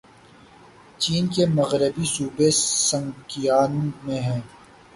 چین کے مغربی صوبے سنکیانگ میں ہے